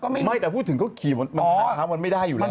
ไม่แต่พูดถึงเขาขี่มันขอน้ำมันไม่ได้อยู่แล้ว